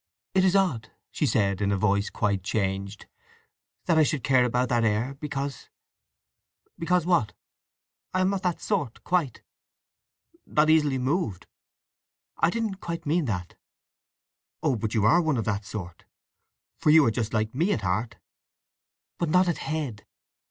"It is odd," she said, in a voice quite changed, "that I should care about that air; because—" "Because what?" "I am not that sort—quite." "Not easily moved?" "I didn't quite mean that." "Oh, but you are one of that sort, for you are just like me at heart!" "But not at head."